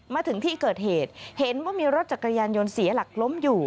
มาถึงที่เกิดเหตุเห็นว่ามีรถจักรยานยนต์เสียหลักล้มอยู่